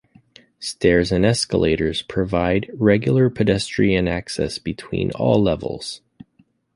Stairs and escalators provide regular pedestrian access between all levels.